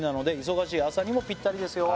「忙しい朝にもぴったりですよ」